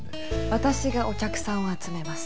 私がお客さんを集めます。